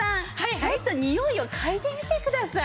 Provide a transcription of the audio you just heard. ちょっとにおいを嗅いでみてください。